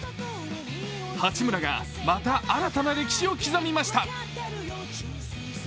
八村がまた、新たな歴史を刻みました。